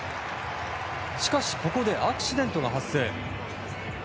しかし、ここでアクシデントが発生。